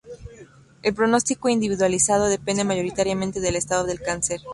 El pronóstico individualizado depende mayoritariamente del estado del cáncer.